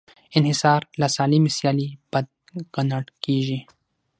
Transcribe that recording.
انحصار له سالمې سیالۍ بد ګڼل کېږي.